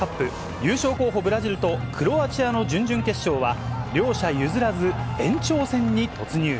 優勝候補、ブラジルとクロアチアの準々決勝は、両者譲らず、延長戦に突入。